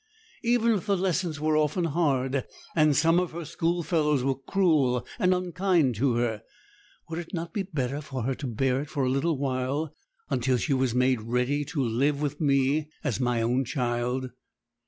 Even if the lessons were often hard, and some of her schoolfellows were cruel and unkind to her, would it not be better for her to bear it for a little while, until she was made ready to live with me as my own child?'